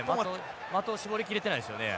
的を絞り切れてないですよね。